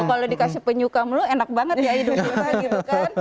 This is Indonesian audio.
kalau dikasih penyuka melu enak banget ya hidup kita gitu kan